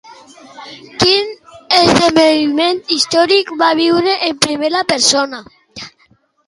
Quin esdeveniment històric va viure en primera persona?